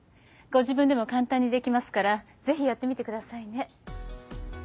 ご自分でも簡単にできますからぜひやってみてくださいね。